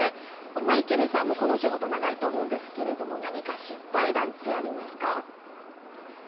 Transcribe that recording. マイケルさんもこのお仕事長いと思いますけれども何か、失敗談ってありますか？